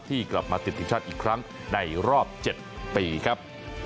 กลับมาติดทีมชาติอีกครั้งในรอบ๗ปีครับ